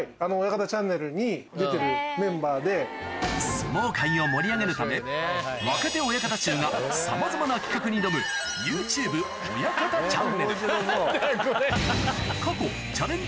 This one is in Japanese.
相撲界を盛り上げるため若手親方衆がさまざまな企画に挑むＹｏｕＴｕｂｅ親方ちゃんねる過去チャレンジ